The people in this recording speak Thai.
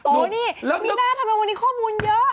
โอ้นี่นี่น่าทำไมวันนี้ข้อมูลเยอะ